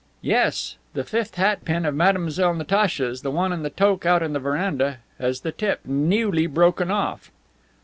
"Yes. The fifth hat pin of Mademoiselle Natacha's, the one in the toque out in the veranda, has the tip newly broken off."